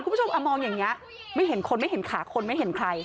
คุณผู้ชมมองอย่างนี้ไม่เห็นคนไม่เห็นขาคนไม่เห็นใคร